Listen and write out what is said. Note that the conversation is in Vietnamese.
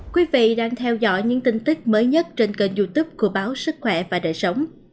quý vị đang theo dõi những tin tức mới nhất trên kênh youtube của báo sức khỏe và đời sống